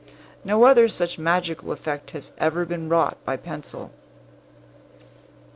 No other such magical effect has ever been wrought by pencil.